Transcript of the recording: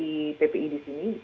dari ppi di sini